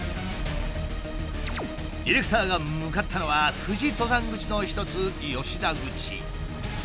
ディレクターが向かったのは富士登山口の一つ吉田口。